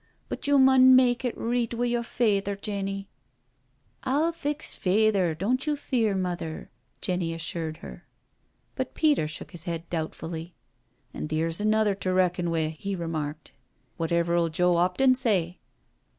*' But yo* mun mak' it reet wi* yo* fayther^ Jenny I *•" rU fix Fayther, never you fear, Mother, Jenny assured her. But Peter shook his head doubtfully. " An' theer's another to reckon wi', he remarked. Wotever'U Joe 'Opton say?"